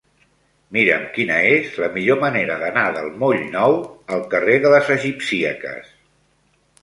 Mira'm quina és la millor manera d'anar del moll Nou al carrer de les Egipcíaques.